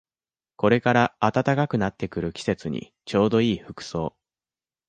これから暖かくなってくる季節にちょうどいい服装